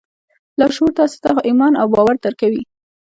لاشعور تاسې ته ایمان او باور درکوي